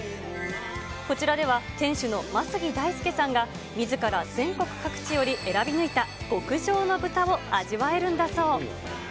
こちらでは、店主の眞杉大介さんがみずから全国各地より選び抜いた極上の豚を味わえるんだそう。